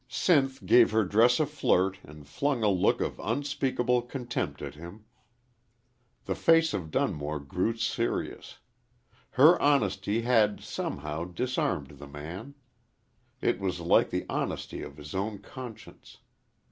Sinth gave her dress a flirt and flung a look of unspeakable contempt at him. The face of Dunmore grew serious. Her honesty had, somehow, disarmed the man it was like the honesty of his own conscience.